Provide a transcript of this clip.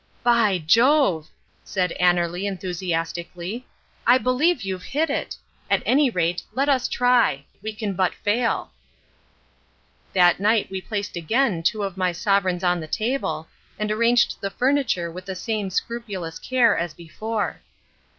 "By Jove!" said Annerly enthusiastically, "I believe you've hit it. At any rate, let us try; we can but fail." That night we placed again two of my sovereigns on the table, and arranged the furniture with the same scrupulous care as before.